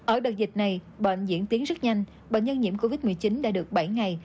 ở đợt dịch này bệnh diễn tiến rất nhanh bệnh nhân nhiễm covid một mươi chín đã được bảy ngày